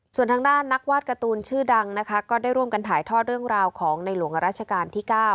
ส่วนทางด้านนักวาดการ์ตูนชื่อดังนะคะก็ได้ร่วมกันถ่ายทอดเรื่องราวของในหลวงราชการที่๙